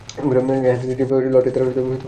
Hair Street lottery committee দ্বারা নির্মিত হয়েছিল।